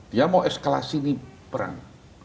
dia mau eskalasi ini perang